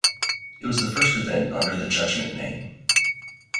It was the first event under the Judgement name.